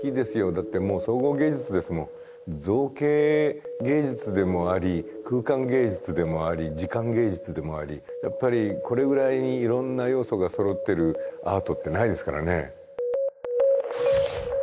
だってもう総合芸術ですもん造形芸術でもあり空間芸術でもあり時間芸術でもありやっぱりこれぐらいに色んな要素が揃ってるアートってないですからね